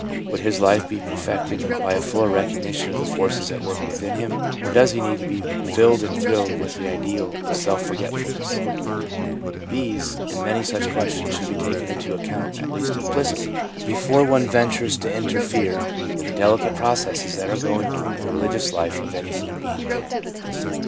would his life be perfected by a fuller recognition of the forces at work within him, or does he need to be filled and thrilled with the ideal of self forgetfulness ? These, and many such questions, should be taken into account, at least implicitly, before one ventures to interfere in the delicate processes that are going on in the religious life of any human being.